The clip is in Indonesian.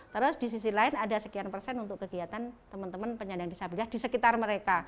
terus di sisi lain ada sekian persen untuk kegiatan teman teman penyandang disabilitas di sekitar mereka